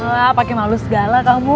wah pakai malu segala kamu